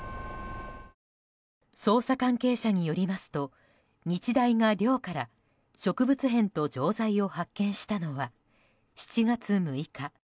捜査関係者によりますと日大が、寮から植物片と錠剤を発見したのが７月６日。